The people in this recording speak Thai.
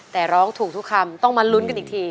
แต่ร้องถูกทุกคำต้องมาลุ้นกันอีกที